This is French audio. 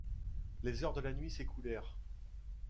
Les heures de la nuit s’écoulèrent.